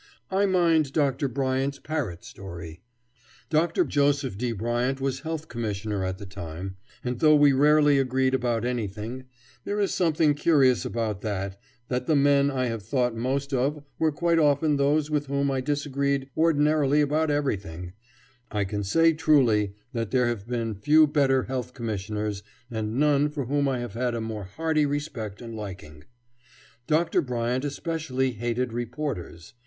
I mind Dr. Bryant's parrot story. Dr. Joseph D. Bryant was Health Commissioner at the time, and though we rarely agreed about anything there is something curious about that, that the men I have thought most of were quite often those with whom I disagreed ordinarily about everything I can say truly that there have been few better Health Commissioners, and none for whom I have had a more hearty respect and liking. Dr. Bryant especially hated reporters.